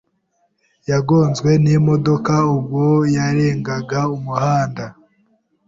Yagonzwe n'imodoka ubwo yarengaga umuhanda.